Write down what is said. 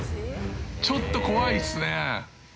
ちょっと怖いっすね。